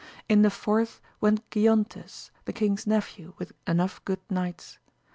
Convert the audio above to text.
In the fourth went Giontes, the king's nephew, with enough good knights.